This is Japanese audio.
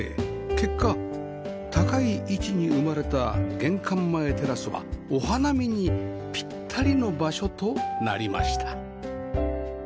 結果高い位置に生まれた玄関前テラスはお花見にぴったりの場所となりました